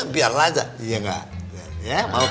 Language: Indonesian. biar aja iya gak